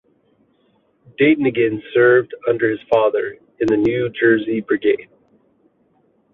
Dayton again served under his father in the New Jersey Brigade.